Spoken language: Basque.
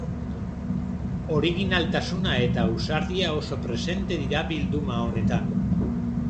Originaltasuna eta ausardia oso presente dira bilduma honetan.